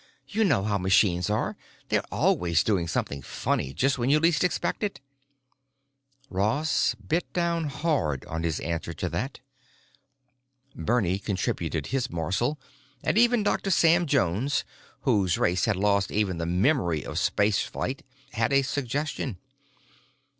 "You know how machines are. They're always doing something funny just when you least expect it." Ross bit down hard on his answer to that. Bernie contributed his morsel, and even Dr. Sam Jones, whose race had lost even the memory of spaceflight, had a suggestion.